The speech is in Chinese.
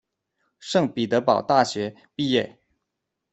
圣彼得堡大学毕业。